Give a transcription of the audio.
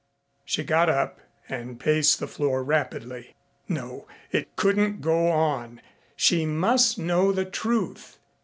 She got up and paced the floor rapidly. No it couldn't go on. She must know the truth.